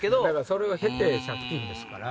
それを経て借金ですから。